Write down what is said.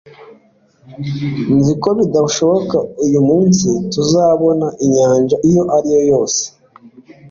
nzi ko bidashoboka ko uyu munsi tuzabona inyanja iyo ari yo yose